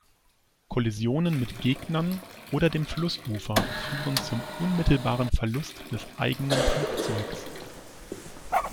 Kollisionen mit Gegnern oder dem Flussufer führen zum unmittelbaren Verlust des eigenen Flugzeugs.